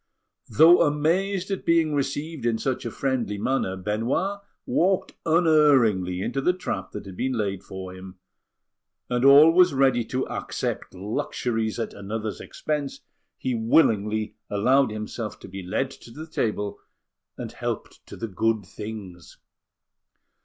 Though amazed at being received in such a friendly manner, Benoit walked unerringly into the trap that had been laid for him; and, always ready to accept luxuries at another's expense, he willingly allowed himself to be led to the table and helped to the good things.